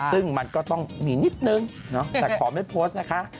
ซึ่งมันก็ต้องมีนิดนึงแต่ขอไม่โพสต์นะคะ